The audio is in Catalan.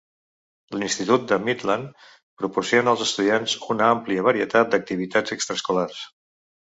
L'institut de Midland proporciona als estudiants una àmplia varietat d'activitats extraescolars.